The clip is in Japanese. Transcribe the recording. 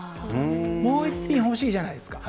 もう１品欲しいじゃないですか。